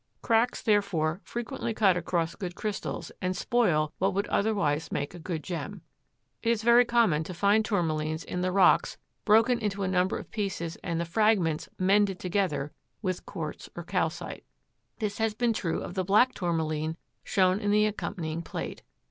Cracks therefore frequently cut across good crystals and spoil what would otherwise make a good gem. It is very common to find tourmalines in the rocks broken into a number of pieces and the fragments "mended" together with quartz or calcite. This has been true of the black Tourmaline shown in the accompanying plate.